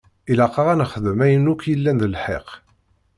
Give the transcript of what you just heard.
Ilaq-aɣ ad nexdem ayen akk yellan d lḥeqq.